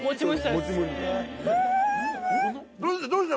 どうした？